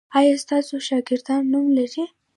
ایا ستاسو شاګردان نوم لری؟